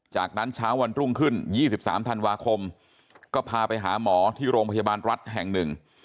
จากนั้นเช้าวันรุ่งขึ้น๒๓ธันวาคมก็พาไปหาหมอที่โรงพยาบาลรัฐแห่งหนึ่ง